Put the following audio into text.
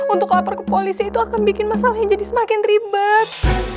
untuk lapor ke polisi itu akan bikin masalahnya jadi semakin ribet